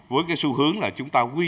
với cái xu hướng là chúng ta quy định